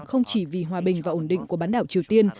không chỉ vì hòa bình và ổn định của bán đảo triều tiên